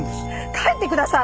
帰ってください！